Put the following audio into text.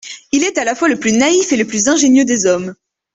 Il est à la fois le plus naïf et le plus ingénieux des hommes.